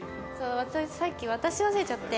私さっき渡し忘れちゃって。